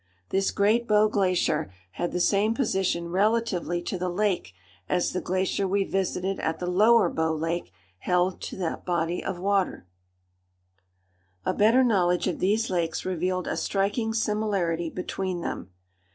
This Great Bow Glacier had the same position relatively to the lake, as the glacier we visited at the Lower Bow Lake held to that body of water. [Illustration: Upper Bow Lake. Looking west.] A better knowledge of these lakes revealed a striking similarity between them.